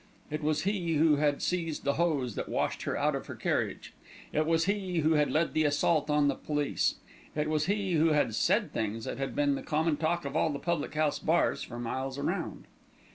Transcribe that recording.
It was he who had seized the hose that washed her out of her carriage, it was he who had led the assault on the police, it was he who had said things that had been the common talk of all the public house bars for miles round.